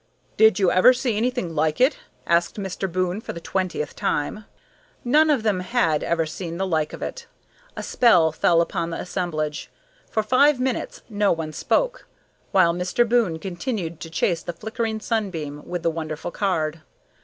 "Did you ever see anything like it?" asked Mr. Boon for the twentieth time. None of them had ever seen the like of it. A spell fell upon the assemblage. For five minutes no one spoke, while Mr. Boon continued to chase the flickering sunbeam with the wonderful card.